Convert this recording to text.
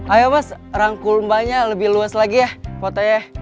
ayo mas rangkul mbaknya lebih luas lagi ya fotonya